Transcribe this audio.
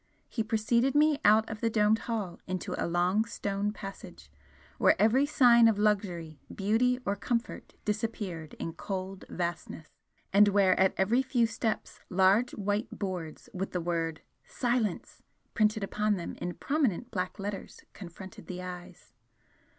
He preceded me out of the domed hall into a long stone passage, where every sign of luxury, beauty or comfort disappeared in cold vastness, and where at every few steps large white boards with the word 'Silence!' printed upon them in prominent black letters confronted the eyes.